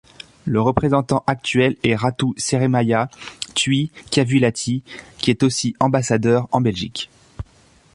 Le représentant actuel est Ratu Seremaia Tui Cavuilati, qui est aussi Ambassadeur en Belgique.